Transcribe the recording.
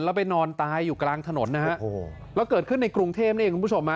แล้วไปนอนตายอยู่กลางถนนนะฮะโอ้โหแล้วเกิดขึ้นในกรุงเทพนี่เองคุณผู้ชมฮะ